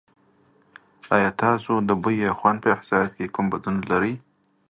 ایا تاسو د بوی یا خوند په احساس کې کوم بدلون لرئ؟